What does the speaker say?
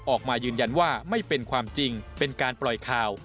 ออกมายืนยันว่าไม่เป็นความจริงเป็นการปล่อยข่าว